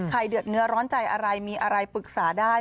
เดือดเนื้อร้อนใจอะไรมีอะไรปรึกษาได้